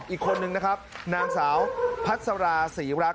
อีกคนนึงนะครับนางสาวพัสราศรีรักษ